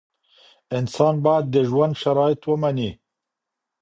انسان باید د ژوند شرایط ومني.